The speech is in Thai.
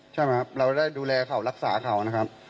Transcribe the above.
ใช่ไหมครับเราได้ดูแลเขารักษาเขานะครับ